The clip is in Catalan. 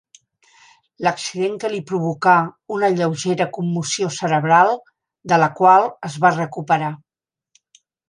L'accident que li provocà una lleugera commoció cerebral, de la qual es va recuperar.